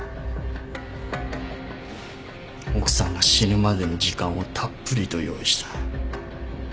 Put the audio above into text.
奥さんが死ぬまでの時間をたっぷりと用意した。